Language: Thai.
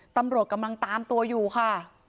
ตำรวจกำลังตามตัวอยู่ค่ะ